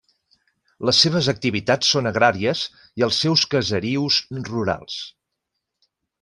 Les seves activitats són agràries i els seus caserius rurals.